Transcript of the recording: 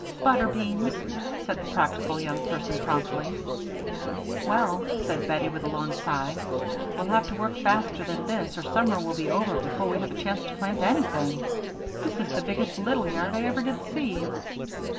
"Butter beans," said that practical young person, promptly. "Well," said Bettie, with a long sigh, "we'll have to work faster than this or summer will be over before we have a chance to plant anything. This is the biggest little yard I ever did see."